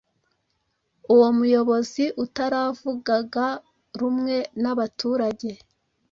uwo muyobozi utaravugaga rumwe nabaturage